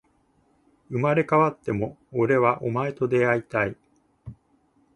生まれ変わっても、俺はお前と出会いたい